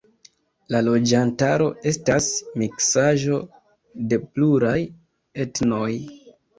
La loĝantaro estas miksaĵo de pluraj etnoj.